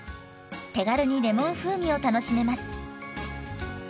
手軽にレモン風味を楽しめます。